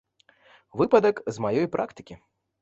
Выпадак з маёй практыкі.